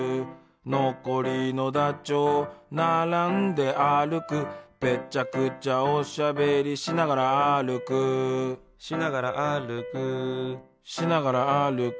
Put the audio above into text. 「残りのダチョウ並んで歩く」「ぺちゃくちゃおしゃべり」「しながら歩く」「しながら歩く」「しながら歩く」